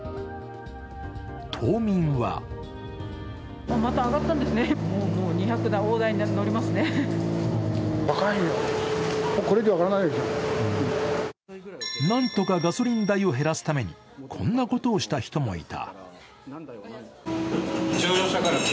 島民はなんとかガソリン代を減らすために、こんなことをした人もいた。